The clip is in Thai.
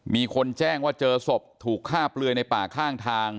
มีคนแจ้งว่าเจอศพถูกฆ่าเปลือยในป่าข้างทาง